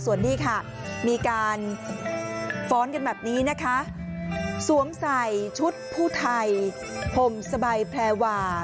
ส่วนนี้ค่ะมีการฟ้อนกันแบบนี้นะคะสวมใส่ชุดผู้ไทยห่มสบายแพรวา